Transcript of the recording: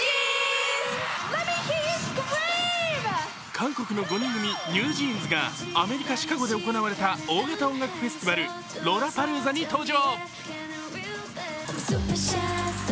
韓国の５人組ＮｅｗＪｅａｎｓがアメリカ・シカゴで行われた大型音楽フェスティバルロラパルーザに登場。